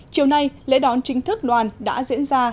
chiều nay lễ đón chính thức đoàn đã diễn ra